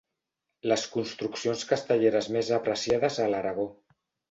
Les construccions castelleres més apreciades a l'Aragó.